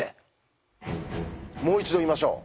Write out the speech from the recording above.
もう一度言いましょう。